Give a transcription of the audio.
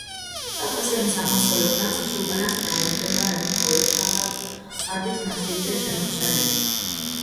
კავკასიონის აღმოსავლეთ ნაწილში უკანასკნელი მყინვარები მხოლოდ შაჰდაღის მასივზეა შემორჩენილი.